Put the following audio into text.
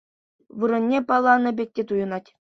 Вырӑнӗ палланӑ пек те туйӑнать.